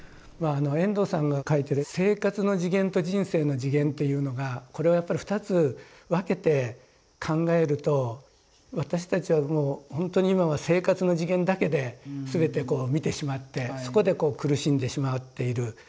遠藤さんが書いてる「生活の次元」と「人生の次元」っていうのがこれはやっぱり二つ分けて考えると私たちはもうほんとに今は生活の次元だけで全て見てしまってそこでこう苦しんでしまっている。